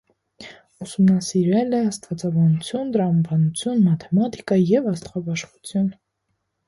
Ուսումնասիրել է աստվածաբանություն, տրամաբանություն, մաթեմատիկա և աստղաբաշխություն։